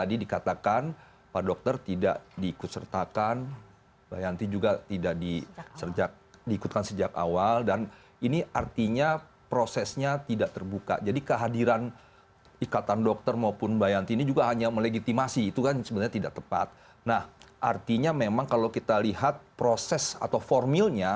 dinyatakan obat itu adalah bagian yang memang dijamin